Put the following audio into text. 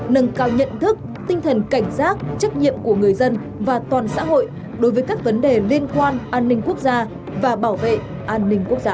nâng cao nhận thức tinh thần cảnh giác trách nhiệm của người dân và toàn xã hội đối với các vấn đề liên quan an ninh quốc gia và bảo vệ an ninh quốc gia